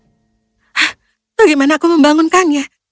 hah bagaimana aku membangunkannya